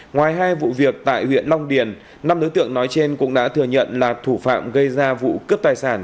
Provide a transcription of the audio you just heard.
ngoài hai vụ việc tại huyện long điền năm đối tượng nói trên cũng đã thừa nhận là thủ phạm gây ra vụ cướp tài sản